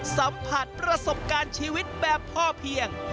สัมผัสประสบการณ์ชีวิตแบบพ่อเพียง